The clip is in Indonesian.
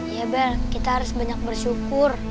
iya bel kita harus banyak bersyukur